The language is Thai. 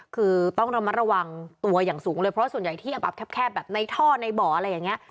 คือต้องระมัดระวังตัวอย่างสูงเลยเพราะส่วนใหญ่ที่อับแคบแบบในท่อในบ่ออะไรอย่างนี้